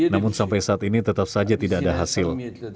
namun sampai saat ini tetap saja tidak ada hasil